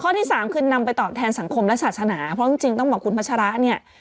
ที่สามคือนำไปตอบแทนสังคมและศาสนาเพราะจริงต้องบอกคุณพัชระเนี่ย